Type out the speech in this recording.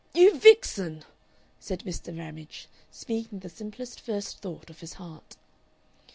"You vixen!" said Mr. Ramage, speaking the simplest first thought of his heart.